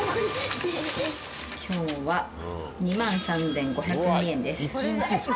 今日は２万３５０２円です。